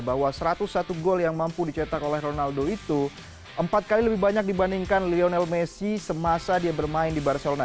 bahwa satu ratus satu gol yang mampu dicetak oleh ronaldo itu empat kali lebih banyak dibandingkan lionel messi semasa dia bermain di barcelona